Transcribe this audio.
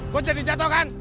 gue jadi jatoh kan